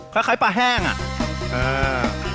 คล้ายปลาแห้งอ่ะ